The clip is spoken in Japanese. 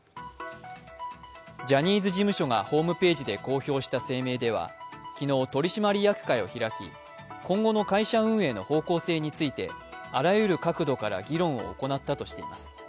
ジャニーズ事務所がホームページで公表した声明では昨日、取締役会を開き、今後の会社運営の方向性についてあらゆる角度から議論を行ったとしています。